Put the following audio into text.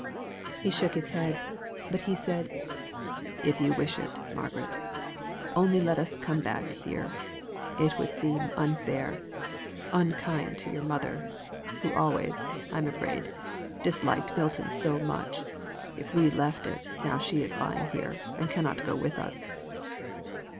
He shook his head. But he said, "If you wish it Margaret. Only let us come back here. It would seem unfair unkind to your mother, who always, I'm afraid, disliked Milton so much, if we left it now she is lying here, and cannot go with us.